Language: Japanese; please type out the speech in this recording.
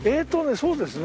そうですね。